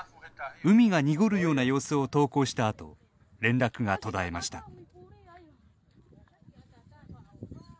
海が濁るような様子を投稿したあと連絡が途絶えました。